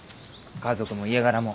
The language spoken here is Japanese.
家族も家柄も。